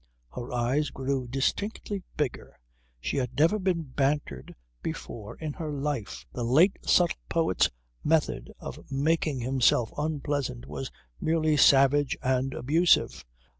Her eyes grew distinctly bigger. She had never been bantered before in her life. The late subtle poet's method of making himself unpleasant was merely savage and abusive.